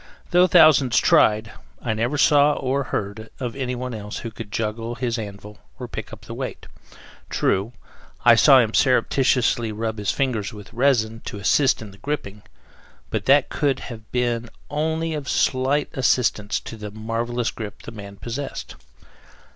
Though thousands tried, I never saw, or heard, of anyone else who could juggle his anvil or pick up the weight. True, I saw him surreptitiously rub his fingers with resin, to assist in the gripping, but that could have been only of slight assistance to the marvelous grip the man possessed.